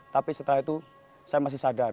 tapi setelah itu saya masih sadar